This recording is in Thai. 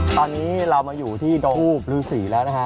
ตอนนี้เรามาอยู่ที่ดงทูบฤษีแล้วนะฮะ